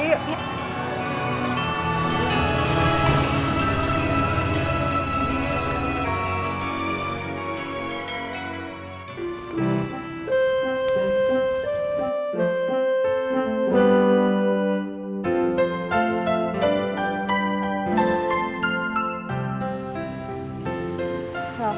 berasa kayak maen lagu